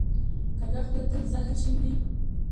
کوږه خوله تل زهر شیندي